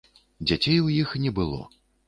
Дзяцей у іх не было.